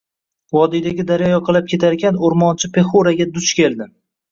Vodiydagi daryo yoqalab ketarkan, oʻrmonchi Pexuraga duch keldi.